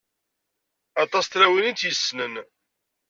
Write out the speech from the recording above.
Aṭas n tlawin i t-yessnen.